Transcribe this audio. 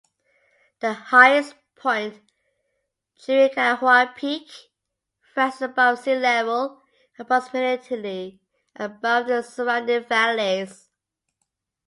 The highest point, Chiricahua Peak, rises above sea level, approximately above the surrounding valleys.